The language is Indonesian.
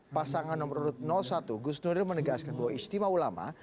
pasangan nomor satu gus nuril menegaskan bahwa istimewa ulama